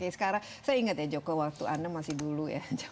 saya ingat ya joko waktu anda masih dulu